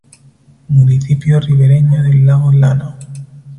Municipio ribereño del lago Lánao.